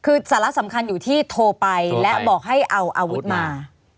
คือสาระสำคัญอยู่ที่โทรไปและบอกให้เอาอาวุธมา